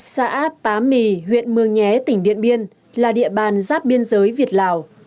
xã pá mì huyện mường nhé tỉnh điện biên là địa bàn giáp biên giới việt lào